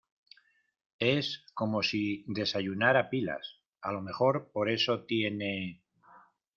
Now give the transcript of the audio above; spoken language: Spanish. es como si desayunara pilas. a lo mejor, por eso tiene